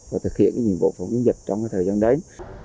và thực hiện nhiệm vụ phòng chống dịch trong thời gian đến